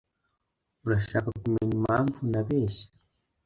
Urashaka kumenya impamvu nabeshye ?